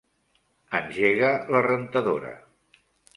Engega la rentadora.